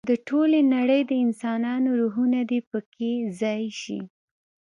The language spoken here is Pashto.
د ټولې نړۍ د انسانانو روحونه دې په کې ځای شي.